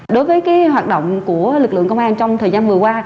đối với hoạt động của lực lượng công an trong thời gian vừa qua